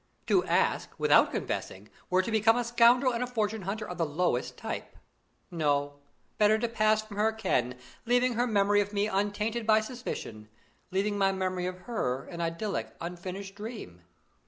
To ask, without confessing, were to become a scoundrel and a fortune hunter of the lowest type. No; better to pass from her ken, leaving her memory of me untainted by suspicion leaving my memory of her an idyllic, unfinished dream.